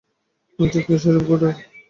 এই টা sheriff good এর।